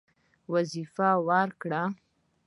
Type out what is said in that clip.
وظیفه ورکړه.